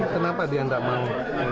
kenapa dia tidak mau